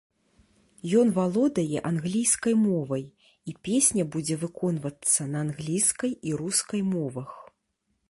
Ён валодае англійскай мовай, і песня будзе выконвацца на англійскай і рускай мовах.